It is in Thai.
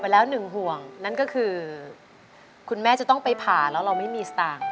แล้วเราไม่มีสตางค์